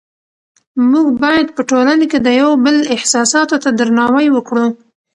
موږ باید په ټولنه کې د یو بل احساساتو ته درناوی وکړو